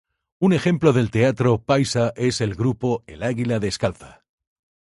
Un ejemplo del teatro paisa es el grupo El Águila Descalza.